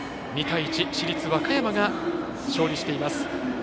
２対１市立和歌山が勝利しています。